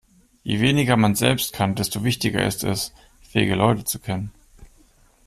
Je weniger man selbst kann, desto wichtiger ist es, fähige Leute zu kennen.